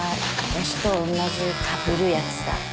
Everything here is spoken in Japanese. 私と同じかぶるやつだ。